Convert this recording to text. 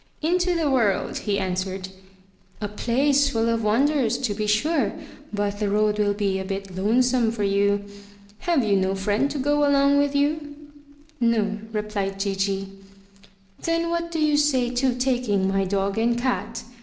"Into the world," he answered. "A place full of wonders, to be sure, but the road will be a bit lonesome for you. Have you no friend to go along with you?" "No," replied Gigi. "Then what do you say to taking my dog and cat?